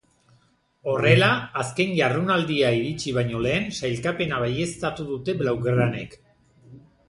Horrela, azken jardunaldia iritsi baino lehen sailkapena baieztatu dute blaugranek.